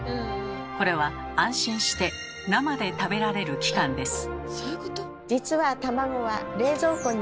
これは安心して生で食べられる期間です。